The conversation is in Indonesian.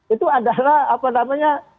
itu adalah apa namanya